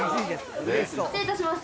失礼いたします。